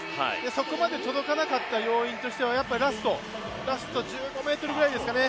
そこまで届かなかった要因としてはやっぱりラスト１５ｍぐらいですかね